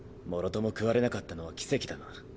もろとも食われなかったのは奇跡だな。